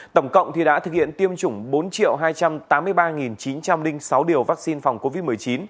tổng cộng đã thực hiện tiêm chủng bốn hai trăm tám mươi ba chín trăm linh sáu liều vaccine phòng covid một mươi chín